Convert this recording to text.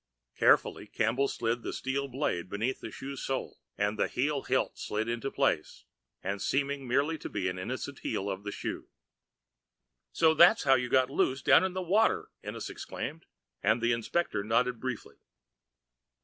Carefully Campbell slid the steel blade beneath the shoe sole, the heel hilt sliding into place and seeming merely the innocent heel of the shoe. "So that's how you got loose down in the water!" Ennis exclaimed, and the inspector nodded briefly.